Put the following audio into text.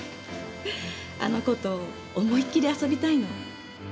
あの子と思い切り遊びたいの。